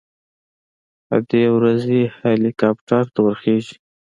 ادې ورځي هليكاپټر ته ورخېژي.